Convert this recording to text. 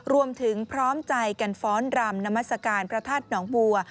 พร้อมใจกันฟ้อนรำนามัศกาลพระธาตุหนองบัว